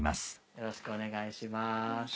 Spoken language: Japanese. よろしくお願いします。